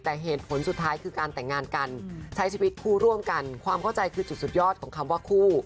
แต่เหตุผลสุดท้ายคือการแต่งงานกันใช้ชีวิตคู่ร่วมกันความเข้าใจคือจุดสุดยอดของคำว่าคู่